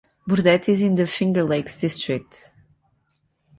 Burdett is in the Finger Lakes District.